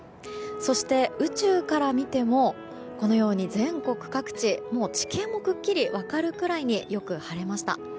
そして、宇宙から見ても全国各地地形もくっきり分かるくらいによく晴れました。